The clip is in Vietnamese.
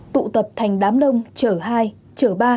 tụ tập thành đám đông trở hai trở ba